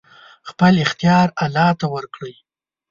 خپل اختيار الله ته ورکړئ!